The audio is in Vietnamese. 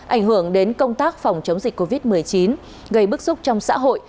ảnh hưởng đến công tác phòng chống dịch covid một mươi chín gây bức xúc trong xã hội